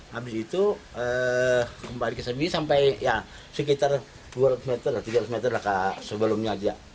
habis itu kembali ke sini sampai sekitar dua ratus meter tiga ratus meter sebelumnya aja